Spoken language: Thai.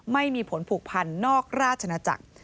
ไม่มีผลผูกพันนอกราชนาจักร